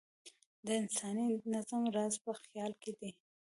د انساني نظم راز په خیال کې دی.